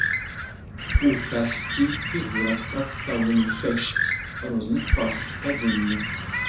У шасці фігурах прадстаўлены шэсць розных фаз падзення.